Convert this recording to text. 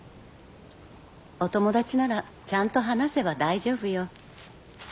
お友達ならちゃんと話せば大丈夫よ。